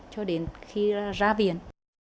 cho đến khi ra viện